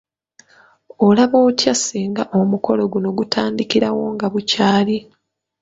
Olaba otya singa omukolo guno gutandikirawo nga bukyali?